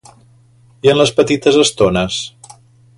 I en les petites estones?